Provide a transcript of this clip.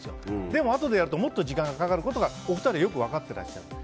でもあとでやるともっと時間がかかることを分かっていらっしゃる。